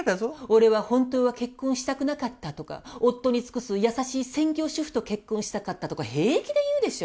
「俺は本当は結婚したくなかった」とか「夫に尽くす優しい専業主婦と結婚したかった」とか平気で言うでしょ？